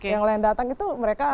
yang lain datang itu mereka